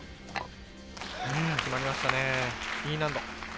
決まりましたね、Ｅ難度。